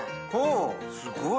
すごい。